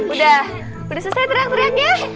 udah selesai teriak ya